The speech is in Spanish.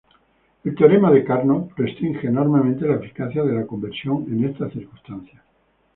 El teorema de Carnot restringe enormemente la eficacia de la conversión en estas circunstancias.